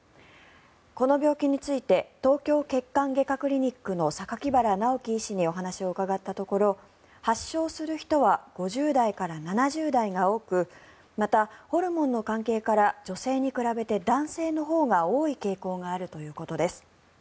この病気について東京血管外科クリニックの榊原直樹医師にお話を伺ったところ発症する人は５０代から７０代が多くまた、ホルモンの関係から女性に比べて男性のほうが多い傾向があるということです。